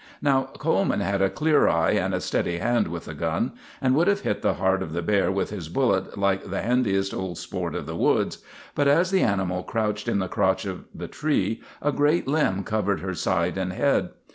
Now, Coleman had a clear eye and a steady hand with a gun, and would have hit the heart of the bear with his bullet like the handiest old sport of the woods, but as the animal crouched in the crotch of the tree a great limb covered her side and head.